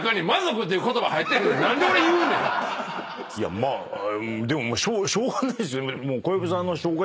まあでももうしょうがないですよね。